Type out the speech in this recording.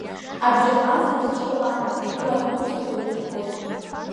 Абжьаҟаза илшо лакәым, жәлар русқәа еилиргоит.